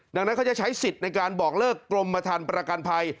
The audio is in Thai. ดังนั้นเขาจะใช้สิทธิ์ในการบอกเลิกกรมธรรมประกันภัย